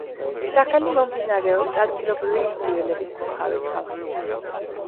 სახელი მომდინარეობს ადგილობრივი ინდიელების, მოჰავეს ხალხიდან.